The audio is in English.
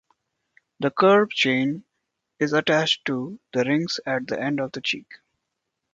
The curb chain is attached to the rings at the end of the cheek.